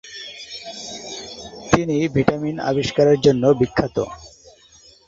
তিনি ভিটামিন আবিষ্কারের জন্য বিখ্যাত।